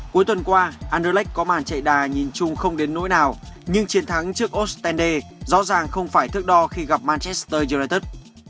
cuối tuần qua anderlecht có màn chạy đà nhìn chung không đến nỗi nào nhưng chiến thắng trước ostende rõ ràng không phải thước đo khi gặp manchester united